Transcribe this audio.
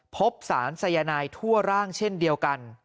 พบสารสายนายทั่วร่างเช่นเดียวกัน